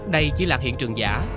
đây chỉ là hiện trường giả